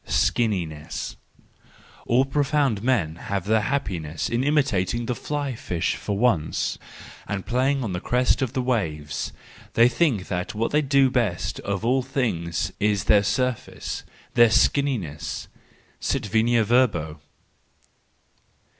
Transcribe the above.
Skinniness .—All profound men have their happi¬ ness in imitating the flying fish for once, and playing on the crests of the waves; they think that what is best of all in things is their surface: their skinniness— sit venia verbo